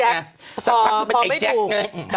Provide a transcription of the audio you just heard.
พอไม่ถูกกลับไปเป็นไอ้แจ๊ก